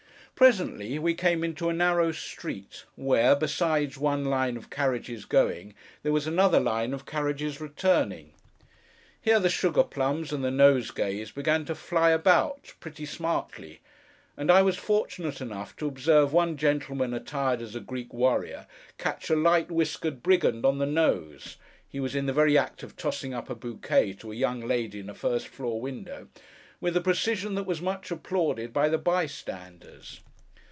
Presently, we came into a narrow street, where, besides one line of carriages going, there was another line of carriages returning. Here the sugar plums and the nosegays began to fly about, pretty smartly; and I was fortunate enough to observe one gentleman attired as a Greek warrior, catch a light whiskered brigand on the nose (he was in the very act of tossing up a bouquet to a young lady in a first floor window) with a precision that was much applauded by the bystanders.